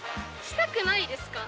したくないですか？